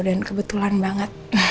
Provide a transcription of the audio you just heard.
dan kebetulan banget